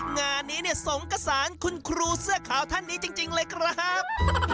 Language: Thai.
งานนี้เนี่ยสงกระสานคุณครูเสื้อขาวท่านนี้จริงเลยครับ